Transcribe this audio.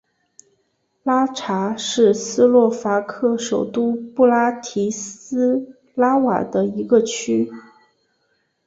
拉察是斯洛伐克首都布拉提斯拉瓦的一个区。